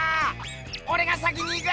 おれが先に行く！